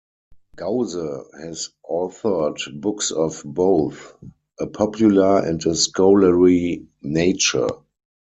Gause has authored books of both a popular and scholarly nature.